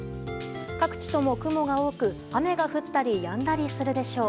各地とも雲が多く、雨が降ったりやんだりするでしょう。